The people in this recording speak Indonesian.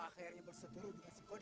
akhirnya bersetuju dengan si kode